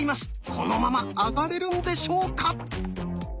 このままあがれるんでしょうか